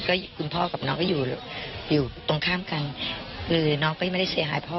ก็คุณพ่อกับน้องก็อยู่อยู่ตรงข้ามกันคือน้องก็ยังไม่ได้เสียหายพ่อ